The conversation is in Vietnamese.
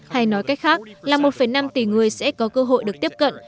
hay nói cách khác là một năm tỷ người sẽ có cơ hội được tiếp cận